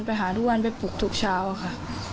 ไปหาทุกวันไปปลุกทุกเช้าค่ะ